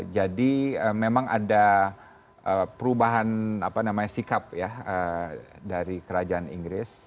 jadi memang ada perubahan apa namanya sikap ya dari kerajaan inggris